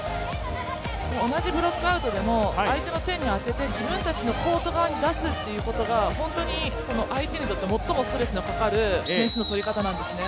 同じブロックアウトでも相手の手に当てて自分たちのコート側に出すということが本当に相手にとって最もストレスのかかる点の取り方なんですね。